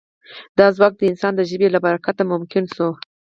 دا ځواک د انسان د ژبې له برکته ممکن شو.